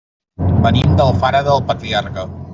Venim d'Alfara del Patriarca.